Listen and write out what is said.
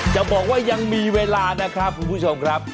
จะบอกว่ายังมีเวลานะครับคุณผู้ชมครับ